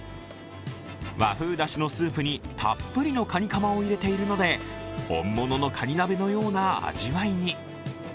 和風だしのスープにたっぷりのカニかまを入れているので、本物のカニ鍋のような味わいに。